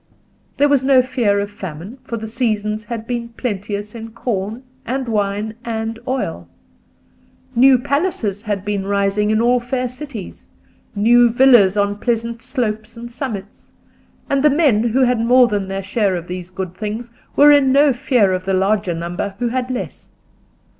There was no fear of famine, for the seasons had been plenteous in corn, and wine, and oil; new palaces had been rising in all fair cities, new villas on pleasant slopes and summits; and the men who had more than their share of these good things were in no fear of the larger number who had less.